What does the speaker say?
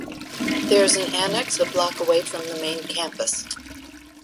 There is an annex a block away from the main campus.